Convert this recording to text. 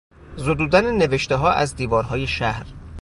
زدودن نوشتهها از دیوارهای شهر